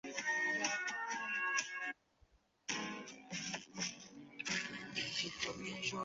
体外培养内细胞群细胞即可取得对生命科学研究有重要价值的胚胎干细胞